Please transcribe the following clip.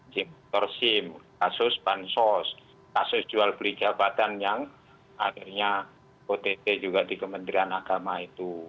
di sektor sim kasus bansos kasus jual beli jabatan yang akhirnya ott juga di kementerian agama itu